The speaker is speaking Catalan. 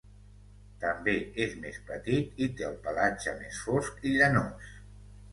També és més petit i té el pelatge més fosc i llanós.